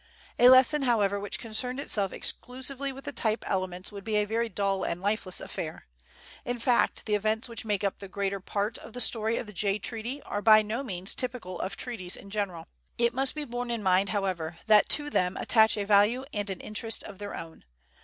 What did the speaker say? A lesson, however, which concerned itself exclusively with type elements would be a very dull and lifeless affair. In fact, the events which make up the greater part of the story of the Jay Treaty are by no means typical of treaties in general. It must be borne in mind, however, that to them attach a value and an interest of their own.